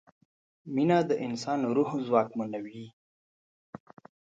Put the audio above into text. مینه د انسان روح ځواکمنوي.